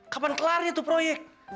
kapan kelarnya tuh proyek